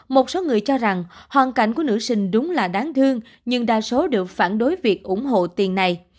một số người cho rằng hoàn cảnh của nữ sinh đúng là đáng thương nhưng đa số đều phản đối việc ủng hộ tiền này